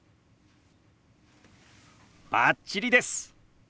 バッチリです！